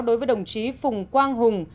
đối với đồng chí phùng quang hùng